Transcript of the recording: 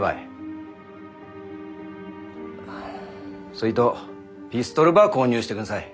そいとピストルば購入してくんさい。